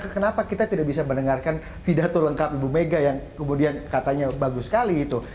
kenapa kita tidak bisa mendengarkan pidato lengkap ibu mega yang kemudian katanya bagus sekali itu